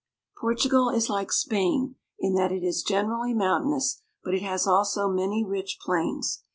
Portugal is like Spain in that it is generally mountainous, but it has also many rich plains.